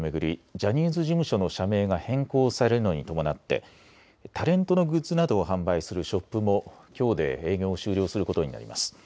ジャニーズ事務所の社名が変更されるのに伴ってタレントのグッズなどを販売するショップもきょうで営業を終了することになります。